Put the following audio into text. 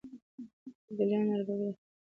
د ابدالیانو اربابي د خدکي سلطان په کاله کې وه.